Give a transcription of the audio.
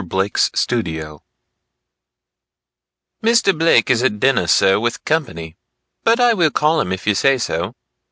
BLAKE'S STUDIO "Mr. Blake is at dinner, sir, with company, but I will call him if you say so."